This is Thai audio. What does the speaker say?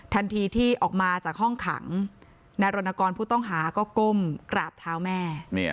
ทันทีที่ออกมาจากห้องขังนายรณกรผู้ต้องหาก็ก้มกราบเท้าแม่